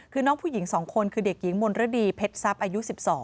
คือน้องผู้หญิง๒คนคือเด็กหญิงมนฤดีเพชรทรัพย์อายุ๑๒